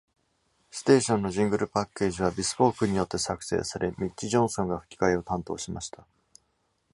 ステーションのジングルパッケージは、Bespoke によって作成され、ミッチ・ジョンソンが吹き替えを担当しました。